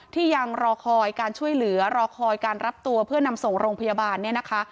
ที่ยังรอคอยการช่วยเหลือรอคอยการรับตัวเพื่อนำส่งโรงพยาบาลเนี่ยนะคะ